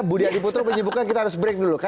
budi adiputro menyibukkan kita harus break dulu